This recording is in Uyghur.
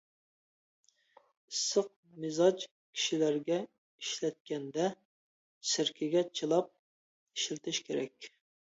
ئىسسىق مىزاج كىشىلەرگە ئىشلەتكەندە، سىركىگە چىلاپ ئىشلىتىش كېرەك.